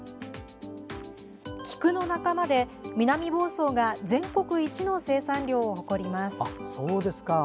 菊の仲間で、南房総が全国一の生産量を誇ります。